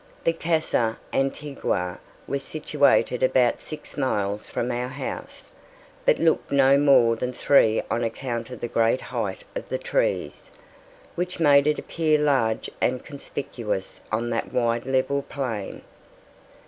The Casa Antigua was situated about six miles from our house, but looked no more than three on account of the great height of the trees, which made it appear large and conspicuous on that wide level plain.